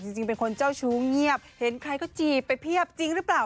จริงเป็นคนเจ้าชู้เงียบเห็นใครก็จีบไปเพียบจริงหรือเปล่า